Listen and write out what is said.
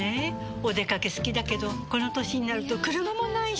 お出かけ好きだけどこの歳になると車もないし。